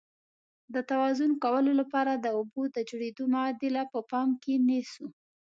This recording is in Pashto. د توازن کولو لپاره د اوبو د جوړیدو معادله په پام کې نیسو.